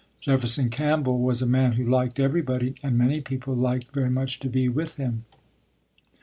Jefferson Campbell was a man who liked everybody and many people liked very much to be with him.